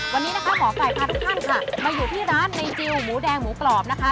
วันนี้นะคะหมอไก่พาทุกท่านค่ะมาอยู่ที่ร้านในจิลหมูแดงหมูกรอบนะคะ